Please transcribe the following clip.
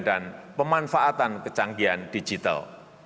dan pemanfaatan kecanggihan digital